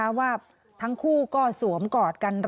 มึงอยากให้ผู้ห่างติดคุกหรอ